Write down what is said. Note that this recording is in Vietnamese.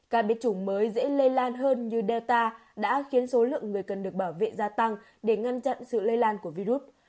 ca biết chủng mới dễ lây lan hơn như delta đã khiến số lượng người cần được bảo vệ gia tăng để ngăn chặn sự lây lan của virus